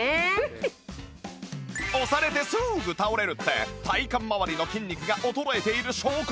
押されてすぐ倒れるって体幹まわりの筋肉が衰えている証拠